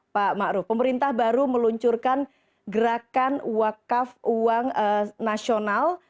pak ma'ruf pemerintah baru meluncurkan gerakan wakaf uang nasional